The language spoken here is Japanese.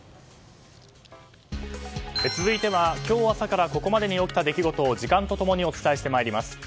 続いては今日朝からここまでに起きた出来事を時間と共にお伝えしてまいります。